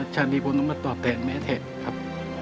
ชาติก่อนต้องมาตอบแต่แม่เถ็ดครับ